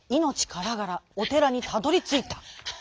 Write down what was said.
からがらおてらにたどりついた。